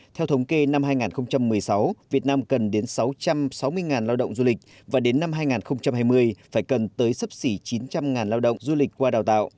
theo thống kê năm hai nghìn một mươi sáu việt nam cần đến sáu trăm sáu mươi lao động du lịch và đến năm hai nghìn hai mươi phải cần tới sấp xỉ chín trăm linh lao động du lịch qua đào tạo